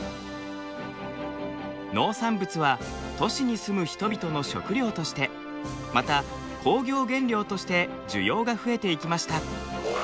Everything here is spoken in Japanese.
農産物は都市に住む人々の食料としてまた工業原料として需要が増えていきました。